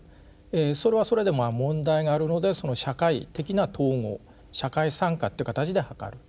それはそれで問題があるのでその社会的な統合社会参加っていう形で図る。